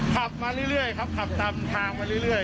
ขับมาเรื่อยครับขับตามทางมาเรื่อย